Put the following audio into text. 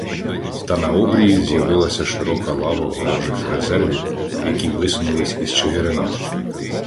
Та на обрії з'явилася широка лава ворожих резервів, які висунулись із Чигирина.